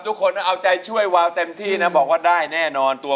มูลค่า๑หมื่นบาทนะครับ